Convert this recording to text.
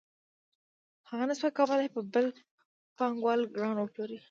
هغه نشوای کولی په بل پانګوال ګران وپلوري